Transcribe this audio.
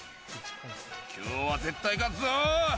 今日は絶対勝つぞ。